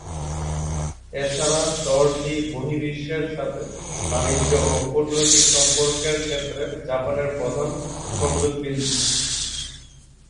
এছাড়া শহরটি বহির্বিশ্বের সাথে বাণিজ্য ও কূটনৈতিক সম্পর্কের ক্ষেত্রে জাপানের প্রধান সংযোগ বিন্দু।